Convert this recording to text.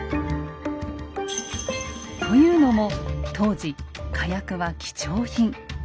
というのも当時火薬は貴重品。